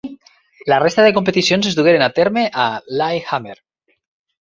La resta de competicions es dugueren a terme a Lillehammer.